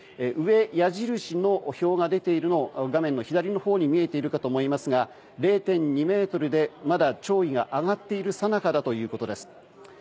上、矢印の表が出ているのを画面の左のほうに見えるかと思いますが０．２ｍでまだ潮位は上がっているさなかだということです。